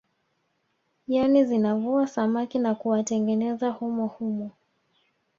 Yani zinavua samaki na kuwatengeneza humo humo